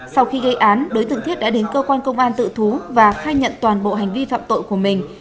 sau khi gây án đối tượng thiết đã đến cơ quan công an tự thú và khai nhận toàn bộ hành vi phạm tội của mình